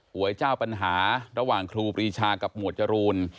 วยเจ้าปัญหาระหว่างครูปรีชากับหมวดจรูน